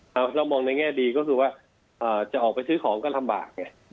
เรามองในแง่ดีก็คือว่าจะออกไปซื้อของก็ลำบากไง